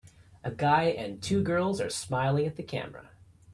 A guy and two girls are smiling at the camera.